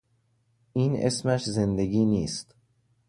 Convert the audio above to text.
این اسمش زندگی نیست.